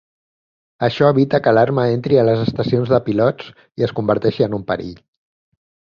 Això evita que l'arma entri a les estacions de pilots i es converteixi en un perill.